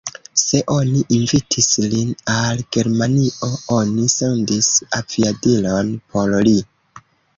Se oni invitis lin al Germanio, oni sendis aviadilon por li.